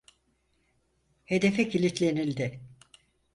Hedefe kilitlenildi.